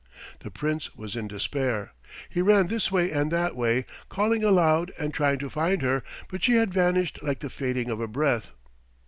The Prince was in despair. He ran this way and that way, calling aloud and trying to find her, but she had vanished like the fading of a breath.